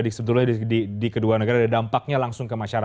di kedua negara ada dampaknya lah